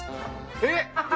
えっ！？